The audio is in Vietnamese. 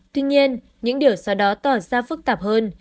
tuy nhiên những điều xóa đó tỏ ra phức tạp hơn